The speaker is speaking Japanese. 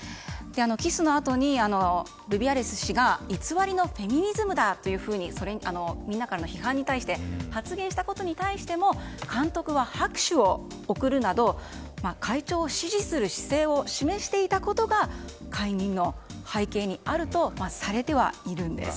キスのあとにルビアレス氏が偽りのフェミニズムだとみんなからの批判に対して発言したことに対しても監督は拍手を送るなど会長を支持する姿勢を示していたことが解任の背景にあるとされてはいるんです。